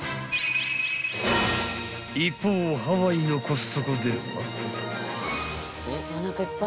［一方ハワイのコストコでは］